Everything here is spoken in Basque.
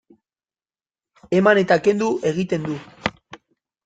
Eman eta kendu egiten du.